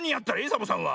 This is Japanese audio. サボさんは。